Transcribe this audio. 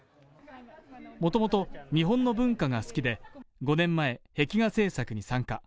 もともと日本の文化が好きで、５年前、壁画制作に参加。